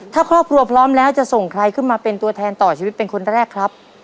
ถ้าครอบครัวพร้อมแล้วจะส่งใครขึ้นมาเป็นตัวแทนต่อชีวิตเป็นคนแรกครับ